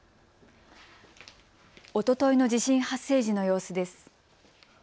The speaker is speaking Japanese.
おとといの地震発生時の様子です。